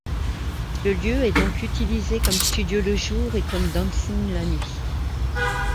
Le lieu est donc utilisé comme studio le jour et comme dancing la nuit.